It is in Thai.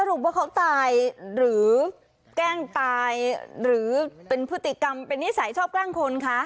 ว่าเขาตายหรือแกล้งตายหรือเป็นพฤติกรรมเป็นนิสัยชอบแกล้งคนคะ